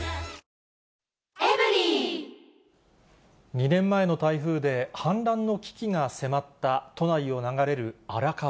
２年前の台風で、氾濫の危機が迫った都内を流れる荒川。